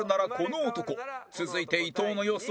続いて伊藤の予想